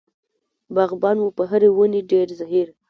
باغبان و په هرې ونې ډېر زهیر.